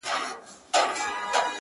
چي هره ورځ دي په سر اوښکو ډکومه؛